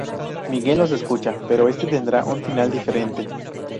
Miguel los escucha, pero este tendrá un final diferente.